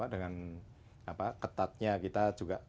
dengan ketatnya kita juga